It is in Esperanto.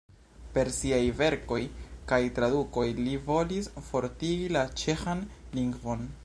Per siaj verkoj kaj tradukoj li volis fortigi la ĉeĥan lingvon.